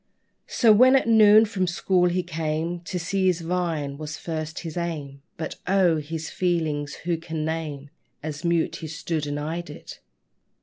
So, when at noon from school he came, To see his vine was first his aim: But oh! his feelings who can name, As mute he stood and eyed it?